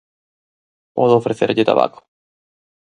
Podo ofrecerlle tabaco?